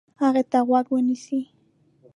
هغه ته غوږ ونیسئ،